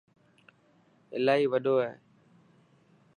الاهي وڏو هي.